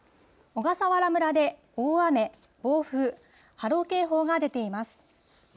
小笠原村で大雨、暴風、波浪警報が出ています。